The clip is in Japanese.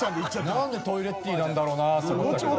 なんでトイレッティなんだろうなと思ったけど。